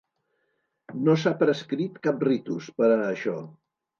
No s'ha prescrit cap ritus per a això.